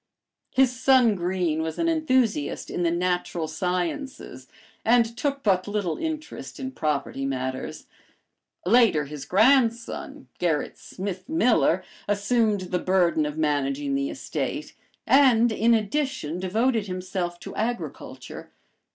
His son Greene was an enthusiast in the natural sciences and took but little interest in property matters. Later, his grandson, Gerrit Smith Miller, assumed the burden of managing the estate and, in addition, devoted himself to agriculture.